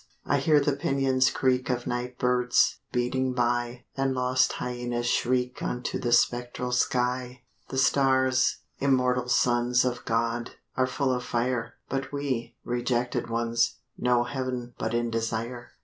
I hear the pinions creak Of night birds, beating by; And lost hyaenas shriek Unto the spectral sky. The Stars, immortal Sons Of God, are full of fire; But we, rejected ones, Know heav'n but in desire.